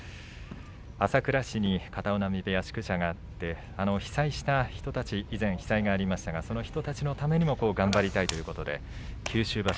朝倉市に片男波部屋宿舎があって、被災した人たち以前被災がありましたその人たちのためにも頑張りたいということで九州場所